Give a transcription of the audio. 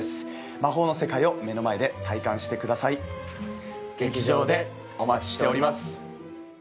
魔法の世界を目の前で体感してください劇場でお待ちしております